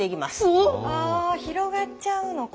おっ⁉あ広がっちゃうのか。